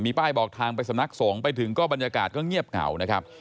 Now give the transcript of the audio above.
ป้ายบอกทางไปสำนักสงฆ์ไปถึงก็บรรยากาศก็เงียบเหงานะครับ